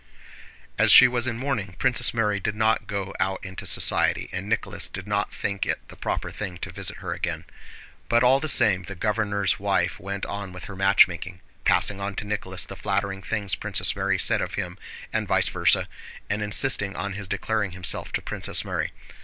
As she was in mourning Princess Mary did not go out into society, and Nicholas did not think it the proper thing to visit her again; but all the same the governor's wife went on with her matchmaking, passing on to Nicholas the flattering things Princess Mary said of him and vice versa, and insisting on his declaring himself to Princess Mary.